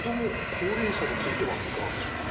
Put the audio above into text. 高齢者についてはいかがでしょうか。